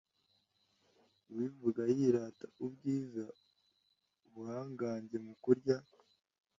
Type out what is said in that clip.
uwivuga yirata ubwiza ubuhangange mu kurya